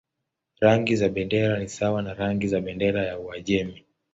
Rangi za bendera ni sawa na rangi za bendera ya Uajemi.